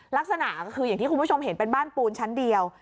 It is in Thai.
ลักษณะก็คืออย่างที่คุณผู้ชมเห็นเป็นบ้านปูนชั้นเดียว